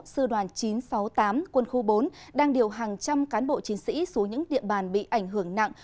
sư đoàn chín trăm sáu mươi tám quân khu bốn đang điều hàng trăm cán bộ chiến sĩ xuống những địa bàn bị ảnh hưởng nặng